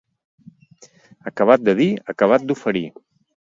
Acabat de dir, acabat d'oferir.